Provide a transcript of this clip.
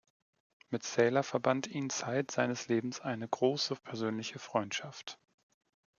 Mit Sailer verband ihn zeit seines Lebens eine grosse persönliche Freundschaft.